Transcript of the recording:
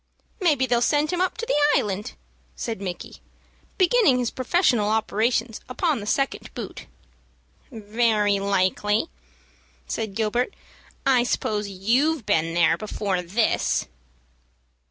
"Maybe they'll send him to the Island," said Micky, beginning his professional operations upon the second boot. "Very likely," said Gilbert. "I suppose you've been there before this."